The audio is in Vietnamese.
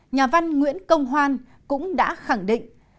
nhà văn nguyễn công hoan cũng đã khẳng định